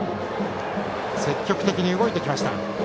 積極的に動いてきました。